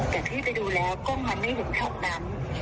แต่พี่ไปดูแล้วกล้องมันไม่เห็นสำนักมัน